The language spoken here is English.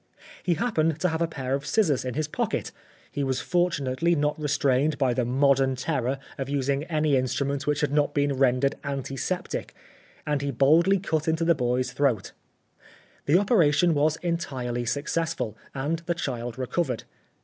He happened to have a pair of scissors in his pocket ; he was fortunately not restrained by the modern terror of using any instrument which had not been rendered anti septic ; and he boldly cut into the boy's throat. The operation was entirely successful, and the child recovered.